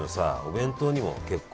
弁当にも結構。